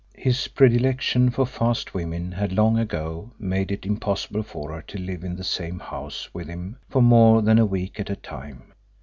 His predilection for fast women had long ago made it impossible for her to live in the same house with him for more than a week at a time.